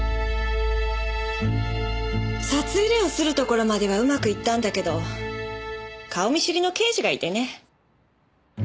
札入れを掏るところまではうまくいったんだけど顔見知りの刑事がいてね。